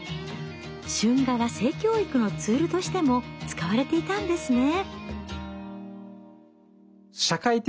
春画は性教育のツールとしても使われていたんですね。